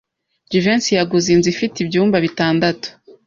Jivency yaguze inzu ifite ibyumba bitandatu.